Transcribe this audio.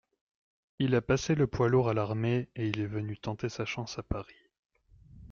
il a passé le poids lourds à l’armée et il est venu tenter sa chance à Paris.